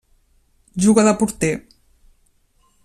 Juga de porter.